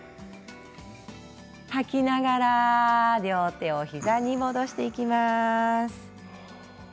吐きながら両手を膝に戻していきましょう。